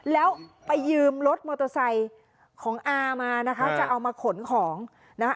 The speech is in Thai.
แล้วไปยืมรถมอเตอร์ไซค์ของอามานะคะจะเอามาขนของนะคะ